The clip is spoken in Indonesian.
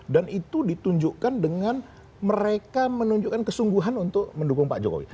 dan itu ditunjukkan dengan mereka menunjukkan kesungguhan untuk mendukung pak jokowi